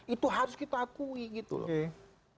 itu harus kita akui gitu loh